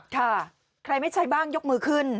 ค่ะใครไม่ใช่บ้างยกมือขึ้น